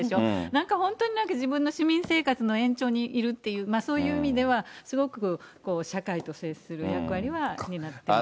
なんか本当に、自分の市民生活の延長にいるっていう、そういう意味では、すごく社会と接する役割は担っています。